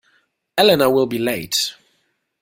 Elena will be late.